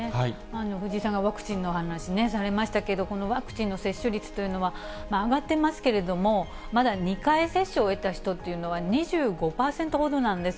藤井さんがワクチンの話をされましたけれども、このワクチンの接種率というのは、上がってますけれども、まだ２回接種を終えた人というのは、２５％ほどなんです。